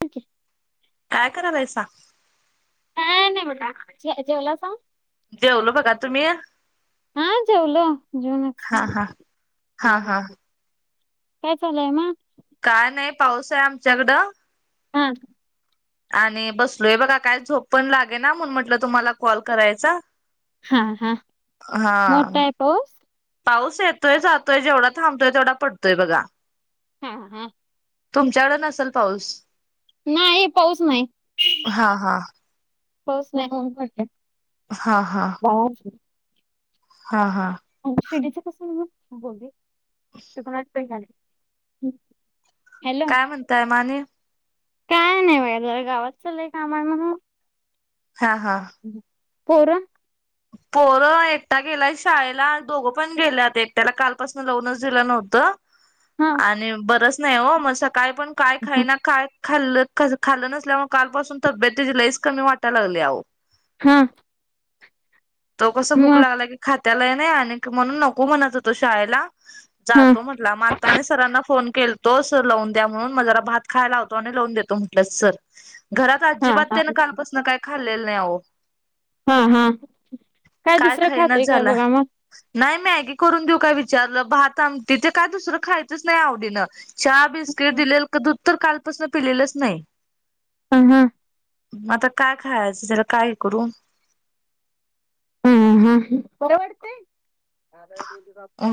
ठीक आहे. काय करायला आहे सांग. म्हटा सांग. [inaudible] जेवल बघा. तुम्ही? हा, ! जेवलो जेऊनच. हा हा हा हा काय, चालय मग. काय नाही. पाऊस ए आमच्याकडं. ह, आणि, बसलोय बघा काय झोप पण लागे ना, म्हणून म्हटलं तुम्हाला कॉल करायचा. हा हा, हा मोठा ए पाऊस. पाऊस येतोय जातोय जेवढा थांबतोय तेवढा पडतोय बघा. हंम्म ह.? तुमच्याकड नसेल पाऊस. नाही, पाऊस नाही, हा हा पाऊस नाही उन पडलं. हा हा. [unintelligible] हा हा. शिर्डीच कसय [unintelligible] काय म्हणताय मामहीन. काय नाही बा [unintelligible] गावात चालंय काम एक म्हणून. हा हा.? पोर पोरं, ! एकटा गेलाय शाळेला दोघं पण गेलेत एकट्याला कालपासून जाऊनच दिलं नव्हतं. ह. आणि, बरच नाही हो मस्ं सकाळ पण काय खायना कायच. खाल्लं खाज खाल्लं नसल्यामुळे कालपासून तब्येतची लईस कमी वाटायला लागली या आओ. हा. तो कस, भूक मग लागला की खात्यालाही आण नको म्हणत होतो. शाळेला हा जातो म्हटला!. माताने सरांना फोन केला. तो सर लावून द्या म्हणून म जरा भात खायला लावतो आणि लावून देतो म्हटलं सर. घरात हा अजिबात हा त्यान कालपासन काय खाल्लेलं नाय अहो. हां हां, काय दुसरं खातं य काय बघा मग. नाय मॅगी करून देऊ काय विचारलं भात आमटी ते काय दुसरं खायचंच नाही आवडीनं. चहा, बिस्किट, हा दिलेलं क दूध तर कालपासन पिलेलंच नाही. हं हं. आता काय खायचं त्याला काय करू. हम् हम बर वाटतंय.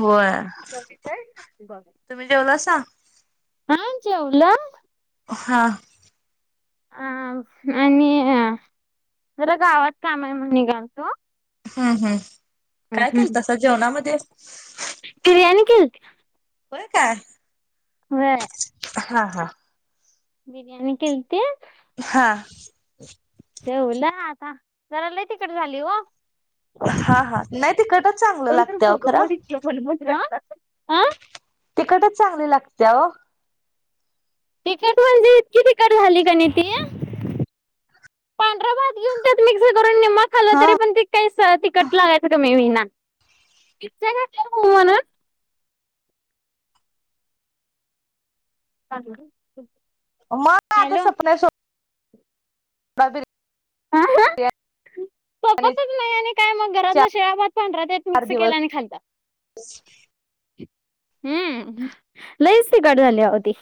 होय तुम्ही जेवलासा हा, जेवला. हा. अ, आणि अ जरा गावात काम ए म्हणून निगालतो. हम् हम् काय केल हम्म. तसा जेवणामध्ये. बिर्याणी केलती. होय का.? व्हय. ! हा हा. बिर्याणी केलती. हा. जेवलं आता जरा लय तिकट झाली हो. हा हा नाही तिखटच चांगलं तंतर लागतंय अहो भग खरं मोित मण म हह [unintelligible] तिकटच चांगली लागतेय ओ. तिकट म्हणजे इतकी तिकट झाली का ना ती पांढरा भात घेऊन त्यात मिक्स करून निमा खाल हा तरी पण ते काही स तिकट लागायचं कामी होईना मिरच्य घातल्या म्हणून अ लागल मग काय आता सपना शोध [unintelligible] बिर्याणी पतच नाही आणि काय मग घरातलं शेळा भात पांढरा ते मिक्स केलं आणि खाल ब [inaudible] हम्म लईच तिखट झाली अहो ती.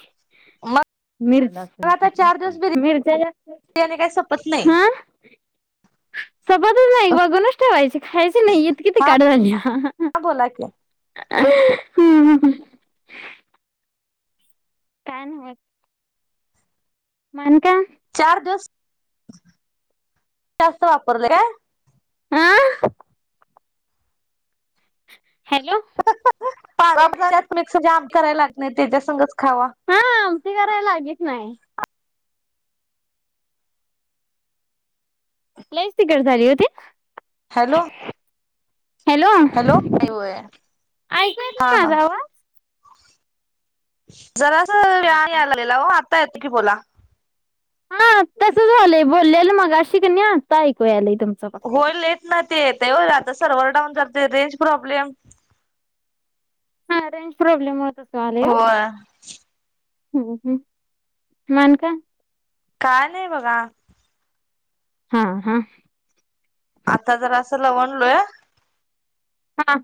मग मिरजन आता चार दिवस मिरज जात. बिर्याणी काय संपत नाही. सबतच नाही बघूनच ठेवायचे खायचे नाही इतकी हा तिखट झाली. बोला की अ हम्म हम काय नाही होतं. अन काय? चार दिवस जास्त वापरलं काय? आह हॅलो पारा मिक्स जाम करायला नाही तेच्यासंगच खावा. हा आमची करायला लागेत नाही. लईच तिखट झाली होती. हॅलो हॅलो काय होय ऐकू येत नाही हा हा माझा आवाज जरा अस हां हा झालेला आता येतो की बोला. हा तसच झालंय बोललेलं मग अशी कणी आत्ता ऐकूया आलाय तुमचं होय लेट ना ते येतय आता सर्व्हर डाऊन जते रेंज प्रॉब्लेम हा रेंज प्रॉब्लेम होत तो आले हो. होय. ह् मान का? काय नाही बघा हा हा आता जर असं लवणलोय हां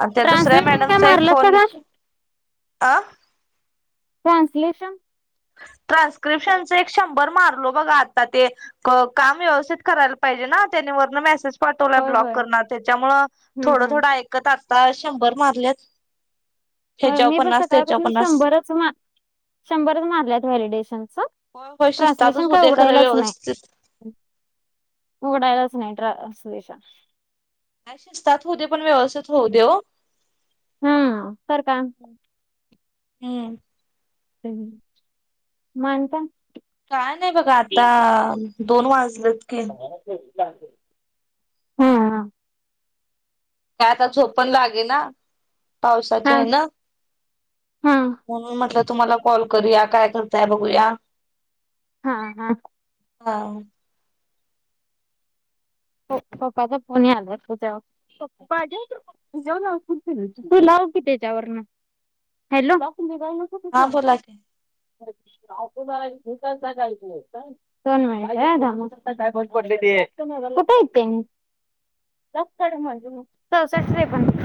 अ त्या दुसऱ्या मॅडमचा एक फोन सगळं अ ट्रानसलेशन. टानसकीपशन एक शब्द बर मारलो बघा आता ते काम व्यवस्थित करायला पाहिजे ना ते वरून मॅसेज पहा तुला होय ब्लॉक होय करणार त्याच्यामुळे हम्म थोडं हम्म. थोडं ऐक कं तं आता शंभर मारल्यात, ह्याच्यावं पन्नास, त्याच्यावं पन्नास. तुम्हा शंभरच मारल्यात व्हॅलिडेशनचं? होय वं शिस्तातच होऊ दे खरं व्यवस्थित. उघडायलाच नाही ट्रान्स्क्रिशन. काय शिस्तात होऊ दे, पण व्यवस्थित होऊ दे ओ. हं तर का हम्म त्यानी मानता काय नाही बघा आता, दोन वाजलेत की. [unintelligible] हा हे आता झोप पण लागेना, हा पावसाच्या यानं. हा म्हणून म्हटलं तुम्हाला कॉल करूया. काय करताय बघूया. हा हा. हा. पप्पाचा फोन नही आला तुझ्यावं? [unintelligible] तू लाव की त्याच्यावरनं. हॅलो [unintelligible] हा बोला की [unintelligible] [unintelligible] काय फरक पडले ते. नाही त्यांच्याचकडे माझे मोठे सासू सासरे पण [inaudible]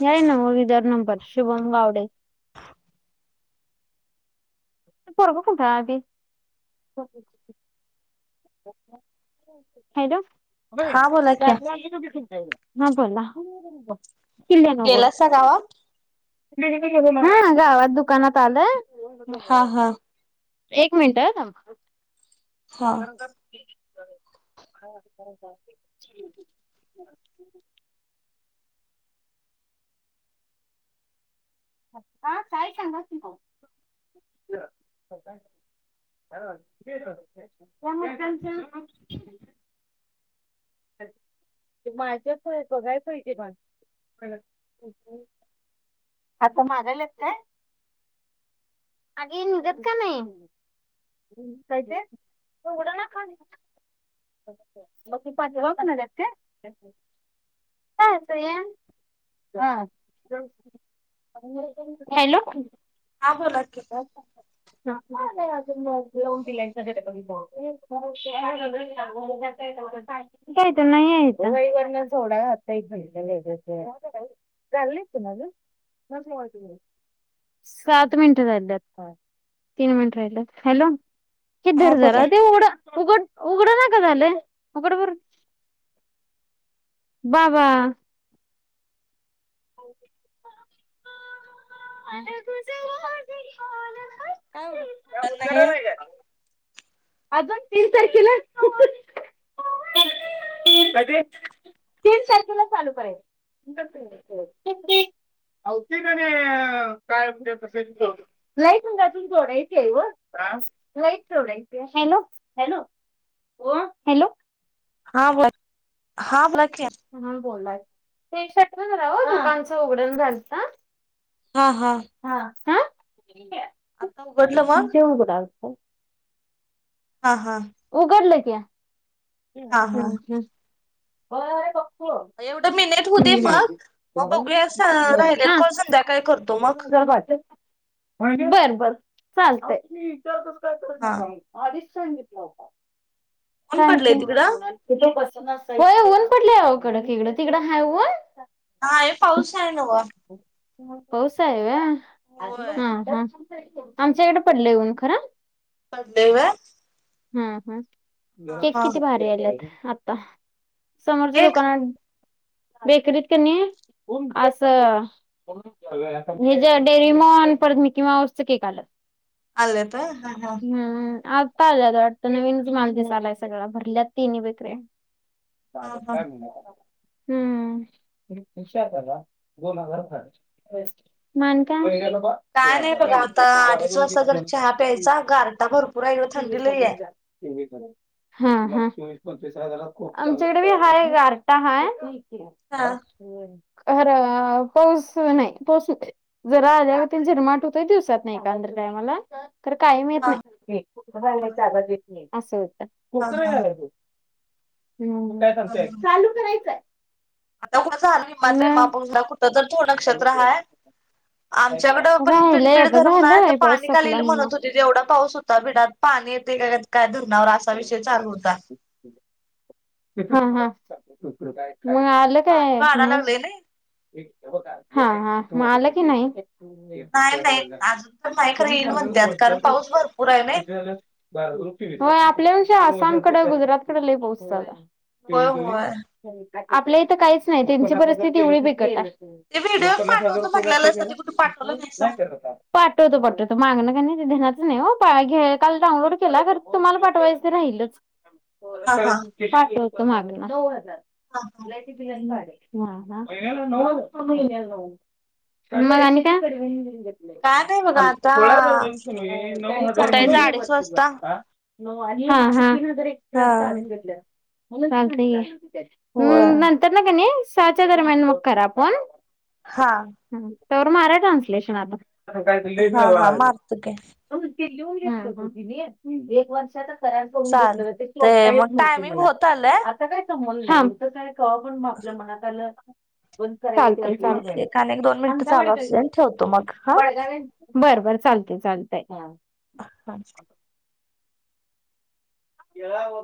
हे हाय नव्हं मग विदर नंबर शुभम गावडे. ते पोरगं कुठाय ते? [inaudible] हॅलो हा बोला की [unintelligible] हं बोला, किल्ल्यानावर. गेलासा गावात [unintelligible] हा गावात दुकानात आलोय. हा हा एक मिनटं हं थांबा. [inaudible] आत्ता काय सांगा कि ओ [unintelligible] हॅलो [unintelligible] [inaudible] माझ्या [unintelligible] बघाय पाहिजे बाय. आता मागायलेत काय? आगं हे निघत का नही? काय ते? तू वडा नाय खाली? [unintelligible] कायतं या [unintelligible] हॅलो हा बोला कि. [inaudible] [unintelligible] काय तर नाही आहे ता. [unintelligible] चालली होती ना गं? [unintelligible] तीन मिनटं राहिलत. हॅलो हा बोला की. [unintelligible] उघड उघड ना का झालंय, उघड बरं. बाबा [unintelligible] [inaudible] काय उडत नाही [unintelligible] अन तिन तारखेला [inaudible] कधी? तीन तारकेला चालू करायच. अव ती कणी काय म्हणजे तत [inaudible] लाईट [unintelligible] अजून जोडायची आहे वो, आ? लाईट जोडायची हॅलो! हॅलो! ओ? हॅलो! हा बो [inaudible] हा बोला की. म्हणून बोला, ते [unintelligible] वण राव दुकांचं उघडण झालत. हा हा. हा ह. आता उघडलं मग? [unintelligible] हा हा. उघडलं की. हा हम्म हा हम्. एवढं मिनिट होऊ दे मग मग बघूया [unintelligible] [unintelligible] राहिलेला हा. कॉल संध्याकाळी करतो मग [unintelligible] [unintelligible] बर बर चालतय [unintelligible] करत हा नाही का आधीच सांगितल. [inaudible] ऊन काय पडलंय ते? तिकडं [unintelligible] होय ऊन पडलंय अहो कडक इकडं तिकडं हाय ऊन? आहे पाऊस हाय नव्ह. पाऊस हाय व्हय हम् होय हम्. आमच्या इकडं पडलंय ऊन खरं. पडलंय व्हय? हम् हम् हा केक हा किती भारी आलेत आत्ता समोरच्या एक दुकानात बेकरीत कणी असं हेज डेरीमोन परत मीकीमाऊसचं केक आल्यात. आल्यात होय हा हा. हम्म हम् आत्ता आल्यात वाटतं नवीनच माणूस आलाय सगळा भरल्यात तिन्ही बेकऱ्या. हा सागर हा काय म्हणीत होता? हम्म [unintelligible] मग आणि काय? काय नाही बघा आता अडीच वाजता जरा चहा प्यायचा गारटा भर. टि वी बघितलं. हा हा आमच्या इकडं बी हाय गारटा हाय. हा खरं पाऊस नाही, पाऊस नाही. जरा आल्यावरती झिरमाट होतोय दिवसातन एकदा टायमाला खरं कायम येत हा नाय. हुबाळला एक जागा घेतली, असं हा हा होतं [inaudible] हम्म. [unintelligible] हा चालू करायचं. आता कुणाच आलं नाही [unintelligible] माझे मग आपण कुठंतर तो नक्षत्र हाय. आमच्याकडं पण राहिलय पिडपीड आता धरम नाय तर झालंय पाऊस पाणी काल संपला इल आणि मग म्हणत होती एवढा पाऊस हो ता बिडात पाणी येतंय का काय धरणावर असा विषय चालू होता. हा हा, मग आलं पाणी काय वाढाय नाय? लागलंय नई हा हा म आलं की नाही? नाय नाय अजून तर नाय खरं येईल म्हणत्यात कारण पाऊस भरपूर हाय नाय. होय आपल्या पेक्षा आसामकडं, गुजरातकडं लय पाऊस हाय. होय होय आपल्या इथं कायच नाय, त्यांची परिस्तिती इवडी बिकटंय. ते व्हिडिओ मग पन्नास हजार पाठवतो रुपये लागते म्हटलेलासा त्याला. ते कुठे पाठवलं नाहीसा. नाही केलं काम. पाठवतो पाठवतो, मागनं कनाय ते ध्येनातच नाय आ. घे. काल डाऊनलोड केलं खरं तुम्हाला पाठवायचं राहीलं. हा हा. पाटवतो मागनं. [unintelligible] मग आणि काय? [unintelligible] काय नाही बघा आता नऊ हजार उठायचं अडीच म्हणती. वाजता. आ. नऊ आणि, हा हा. तीन हजार एक्स्ट्रा हा. काढून घेतलंय. चालतंय, होय हूं. नंतरनं कनाई सहाच्या दरम्यान मग करा फोन. हां. तवर मारा ट्रान्सलेशन आता. लिहून हा हा मारतो की. घेतलं ओ तिनी. हूं हूं.. एक वर्षाचा करार करुन घेतलेलं, ते चालतंय सोडता मग येत नव्हतं टायमिंग मला. होत आलंय आता काय संबंध नाय. थांब. इथं कवापण आपल्या मनात आलं लं, बंद करायचं. चालतंय. एक आणि एक दोन मिनिटं चालू असू दे आणि ठेवतो मग [unintelligible] हा. बरं बरं, चालतंय, चालतंय. हां. [unintelligible] [unintelligible]